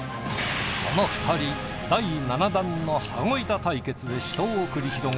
この２人第７弾の羽子板対決で死闘を繰り広げ